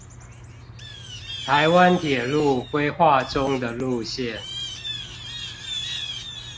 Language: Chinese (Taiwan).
臺灣鐵路規劃中的路線